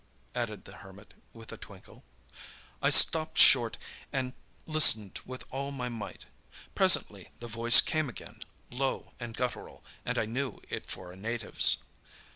added the Hermit, with a twinkle. "I stopped short and listened with all my might. Presently the voice came again, low and guttural, and I knew it for a native's.